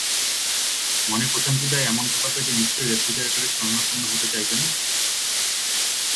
মনে প্রশান্তি দেয় এমন খাবার পেতে নিশ্চয় রেফ্রিজারেটরের শরণাপন্ন হতে চাইবেন।